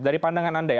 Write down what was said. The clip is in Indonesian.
dari pandangan anda ya